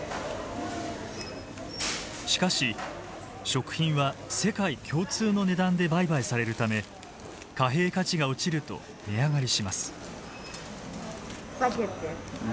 しかし食品は世界共通の値段で売買されるため貨幣価値が落ちると値上がりします。